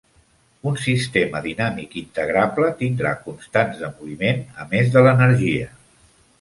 Un sistema dinàmic integrable tindrà constants de moviment a més de l'energia.